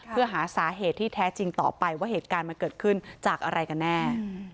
เพื่อหาสาเหตุที่แท้จริงต่อไปว่าเหตุการณ์มันเกิดขึ้นจากอะไรกันแน่